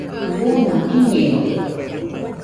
buna biñede